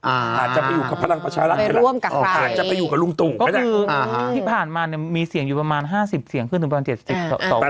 อ่าอาจจะไปอยู่กับพระรังประชารักษณ์มากก็คือที่ผ่านมามีเสียงอยู่ประมาณ๕๐เสียงขึ้นถึงประมาณ๗๐